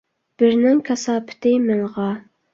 بىرنىڭ كاساپىتى مىڭغا.